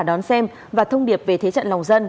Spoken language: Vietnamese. đón xem và thông điệp về thế trận lòng dân